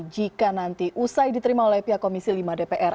jika nanti usai diterima oleh pihak komisi lima dpr